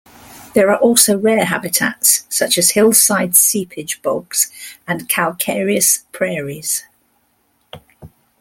There are also rare habitats, such as hillside seepage bogs and calcareous prairies.